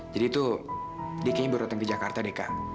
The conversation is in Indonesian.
jadi tuh dia kayaknya baru datang ke jakarta deh kak